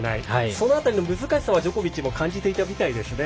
その辺りの難しさはジョコビッチも感じていたみたいですね。